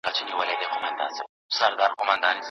له ځان سره رښتيا اوسه چي تېروتني درک کړې او سمون راولې ژر .